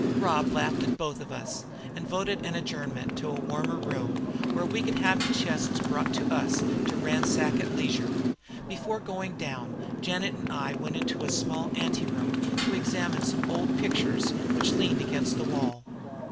Rob laughed at us both, and voted an adjournment to a warmer room, where we could have the chests brought to us to ransack at leisure. Before going down, Janet and I went into a small anteroom to examine some old pictures which leaned against the wall.